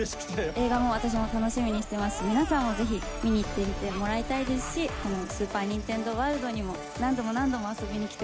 映画も私も楽しみにしてますし皆さんもぜひ見に行ってもらいたいですしこのスーパー・ニンテンドー・ワールドにも何度も何度も遊びに来てもらえるとうれしいです。